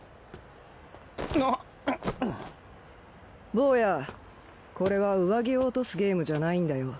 坊やこれは上着を落とすゲームじゃないんだよ。